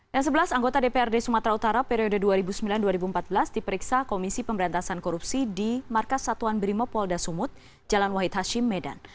yang sebelas anggota dprd sumatera utara periode dua ribu sembilan dua ribu empat belas diperiksa komisi pemberantasan korupsi di markas satuan brimopolda sumut jalan wahid hashim medan